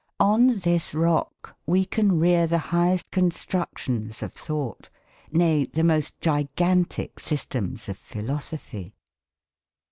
On this rock we can rear the highest constructions of thought, nay, the most gigantic systems of philosophy.